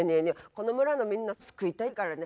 この村のみんな救いたいからね。